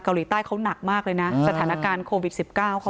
เกาหลีใต้เขาหนักมากเลยนะสถานการณ์โควิด๑๙เขา